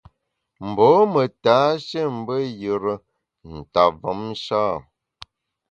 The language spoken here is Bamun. Mbô me tashé mbe yùre nta mvom sha ?